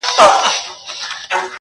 غمی ورک سو د سړي پر سترګو شپه سوه,